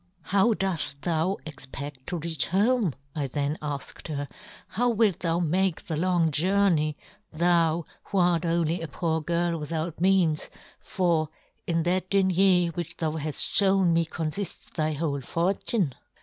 "' How doft thou expedt to reach " home?' I then afked her; ' how " wilt thou make the long journey, " thou who art only a poor girl with " out means, for in that denier which " thou haft fhown me con lifts thy " whole fortune